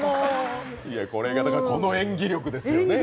これがこの演技力ですよね